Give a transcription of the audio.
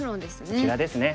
こちらですね。